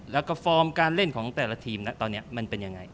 แล้วก็ฟอร์มการเล่นของแต่ละทีมนะตอนนี้มันเป็นยังไง